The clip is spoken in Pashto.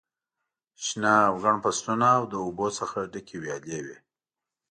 شنه او ګڼ فصلونه او له اوبو څخه ډکې ویالې وې.